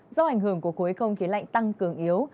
do ảnh hưởng của khối không khí lạnh tăng cường yếu